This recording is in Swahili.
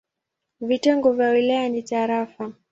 Vitengo vya wilaya ni tarafa.